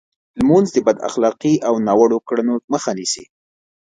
لمونځ د بد اخلاقۍ او ناوړو کړنو مخه نیسي.